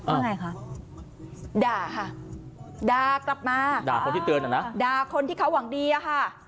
อะไรคะด่าค่ะด่ากลับมาด่าคนที่เตือนอ่ะนะด่าคนที่เขาหวังดีอะค่ะ